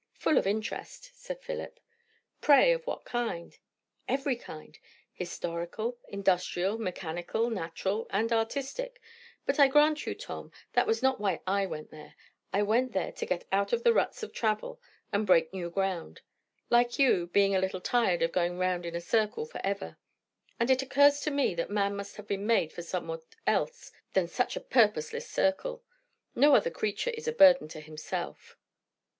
"Full of interest," said Philip. "Pray, of what kind?" "Every kind. Historical, industrial, mechanical, natural, and artistic. But I grant you, Tom, that was not why I went there. I went there to get out of the ruts of travel and break new ground. Like you, being a little tired of going round in a circle for ever. And it occurs to me that man must have been made for somewhat else than such a purposeless circle. No other creature is a burden to himself."